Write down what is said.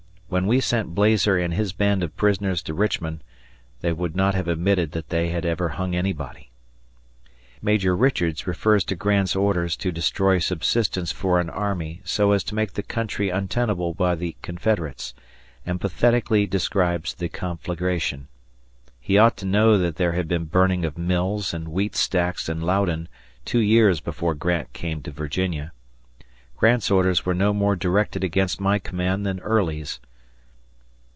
When we sent Blazer and his band of prisoners to Richmond, they would not have admitted that they ever hung anybody. Major Richards refers to Grant's orders to destroy subsistence for an army so as to make the country untenable by the Confederates, and pathetically describes the conflagration. He ought to know that there had been burning of mills and wheat stacks in Loudon two years before Grant came to Virginia. Grant's orders were no more directed against my command than Early's.